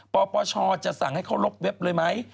ปปชจะสั่งให้เขาลบเว็บเลยไหม